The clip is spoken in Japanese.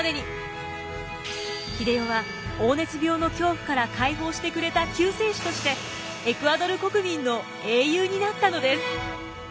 英世は黄熱病の恐怖から解放してくれた救世主としてエクアドル国民の英雄になったのです。